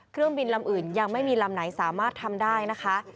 เครื่องบินลำอื่นยังไม่มีลำไหนสามารถทำได้นะคะ